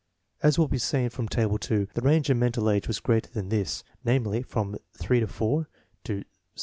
As will be seen from Table 8, the range in mental age was greater than this; namely, from SHfc to 7 7.